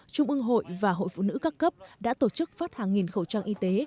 trung ương hội và hội phụ nữ các cấp đã tổ chức phát hàng nghìn khẩu trang y tế